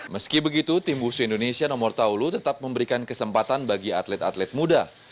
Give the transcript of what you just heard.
meski begitu tim busu indonesia nomor taulu tetap memberikan kesempatan bagi atlet atlet muda